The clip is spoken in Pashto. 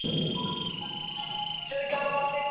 موږ کله له ماڼۍ څخه ډګر ته وړاندي لاړو؟